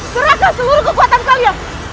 serahkan seluruh kekuatan kalian